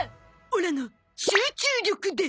オラの集中力で。